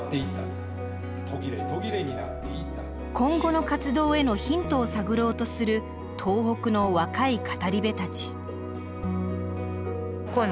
今後の活動へのヒントを探ろうとする東北の若い語り部たち。